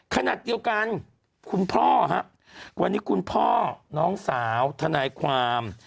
ขณะเดียวกันคุณพ่อครับวันนี้คุณพ่อน้องสาวทนายความ